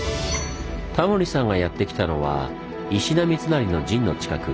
タモリさんがやって来たのは石田三成の陣の近く。